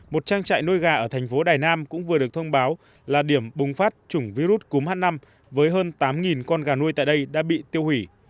một trang trại nuôi gà ở thành phố đài nam cũng vừa được thông báo là điểm bùng phát chủng virus cúm h năm với hơn tám con gà nuôi tại đây đã bị tiêu hủy